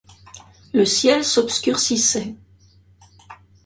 Le ciel s’obscurcissait.